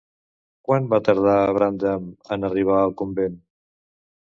Quant va tardar Brandan en arribar al convent?